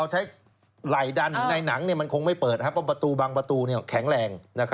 ใช้ไหล่ดันในหนังมันคงไม่เปิดเพราะประตูบางประตูแข็งแรง